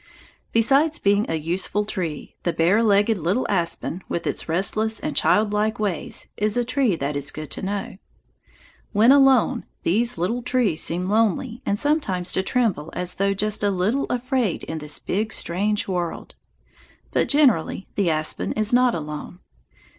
Besides being a useful tree, the bare legged little aspen with its restless and childlike ways is a tree that it is good to know. When alone, these little trees seem lonely and sometimes to tremble as though just a little afraid in this big strange world. But generally the aspen is not alone.